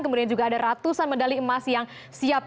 kemudian juga ada ratusan medali emas yang siap